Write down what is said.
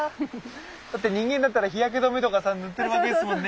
だって人間だったら日焼け止めとかさ塗ってるわけですもんね。